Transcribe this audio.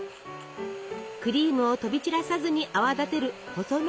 クリームを飛び散らさずに泡立てる細長い容器。